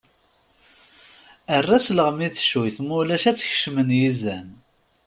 Err-as lɣem i tecuyt mulac ad t-kecmen yizan.